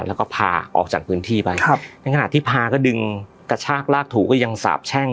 แล้วก็พาออกจากพื้นที่ไปครับในขณะที่พาก็ดึงกระชากลากถูกก็ยังสาบแช่ง